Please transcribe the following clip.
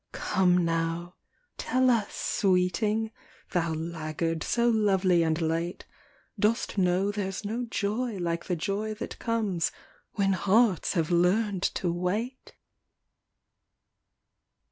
Come now tell us, sweeting, Thou laggard so lovely and late, Dost know there's no joy like the joy that comes When hearts have learned to wait?